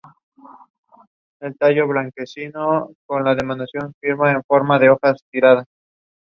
Conservador del Palacio Real de Madrid.